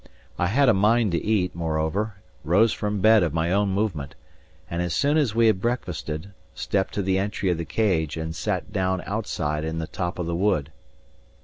I had a mind to eat, moreover, rose from bed of my own movement, and as soon as we had breakfasted, stepped to the entry of the Cage and sat down outside in the top of the wood.